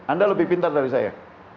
anda lebih pintar dari saya